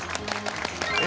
え